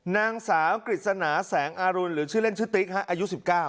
นางสาวกฤษณาแสงอรุณหรือชื่อเล่นชื่อติ๊กอายุ๑๙